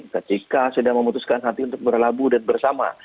ketika sudah memutuskan hati untuk berlabuh dan bersama